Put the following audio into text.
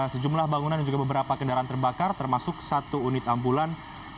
sejumlah bangunan dan juga beberapa kendaraan terbakar termasuk satu unit ambulan